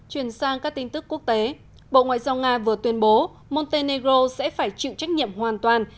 chuyển sang các tin tức quốc tế bộ ngoại giao nga vừa tuyên bố montenegro sẽ phải chịu trách nhiệm hoàn toàn